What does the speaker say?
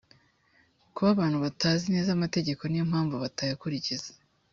kuba abantu batazi neza amategeko niyo mpamvu batayakurikiza